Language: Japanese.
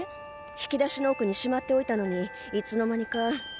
引き出しの奥にしまっておいたのにいつの間にかなくなってた。